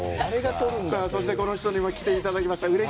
そして、この人にも来ていただきました。